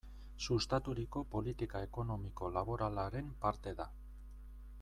Sustaturiko politika ekonomiko-laboralaren parte da.